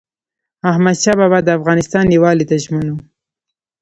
احمدشاه بابا د افغانستان یووالي ته ژمن و.